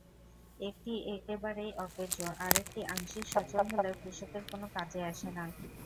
একটি একেবারেই অকেজো, আরেকটি আংশিক সচল হলেও কৃষকের কোনো কাজে আসে না।